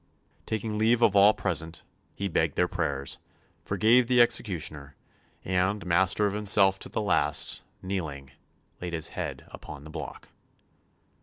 Taking leave of all present, he begged their prayers, forgave the executioner, and, master of himself to the last, kneeling, laid his head upon the block.